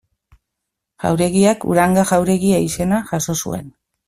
Jauregiak Uranga jauregia izena jaso zuen.